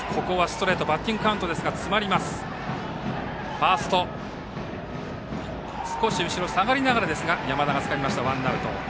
ファースト少し下がりながらですが山田がつかんでワンアウト。